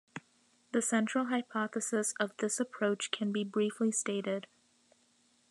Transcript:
The central hypothesis of this approach can be briefly stated.